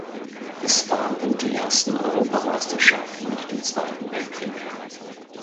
Es waren die ersten Europameisterschaften nach dem Zweiten Weltkrieg.